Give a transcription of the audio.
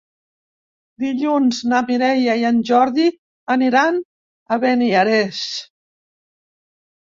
Dilluns na Mireia i en Jordi aniran a Beniarrés.